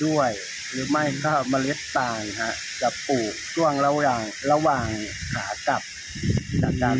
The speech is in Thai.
ด้วยหรือไม่ก็เมล็ดตายฮะจะปลูกช่วงระหว่างระหว่างขากลับจากการ